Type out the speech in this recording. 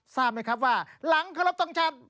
ทราบไหมครับว่าหลังเคารพทงชาติ